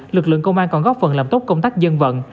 lực lượng công an còn góp phần làm tốt công tác dân vận